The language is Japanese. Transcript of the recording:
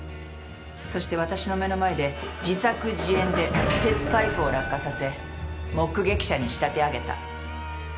そして私の目の前で自作自演で鉄パイプを落下させ目撃者に仕立て上げた。